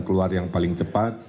keluar yang paling cepat